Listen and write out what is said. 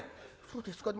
「そうですか？